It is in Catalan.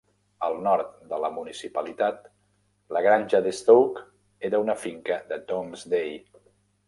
Al nord de la municipalitat, la granja de Stoke era una finca de Domesday.